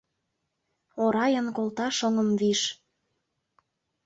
Орайын колташ оҥым виш